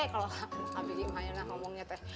kalau ambil gimana ngomongnya teh